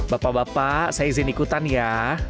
bapak bapak saya izin ikutan ya